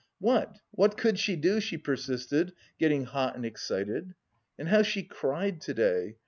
What, what could she do?" she persisted, getting hot and excited. "And how she cried to day!